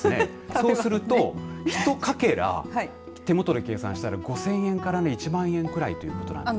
そうすると、ひとかけら手元で計算したら５０００円から１万円くらいということなんです。